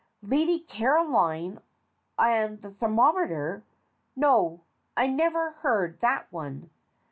Lady Caroline and the thermometer no, I never heard that one.